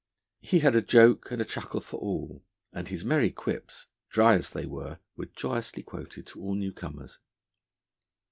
He had a joke and a chuckle for all, and his merry quips, dry as they were, were joyously quoted to all new comers.